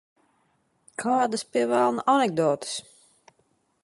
Kādas, pie velna, anekdotes?